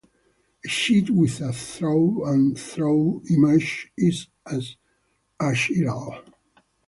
A sheet with a through and through image is achiral.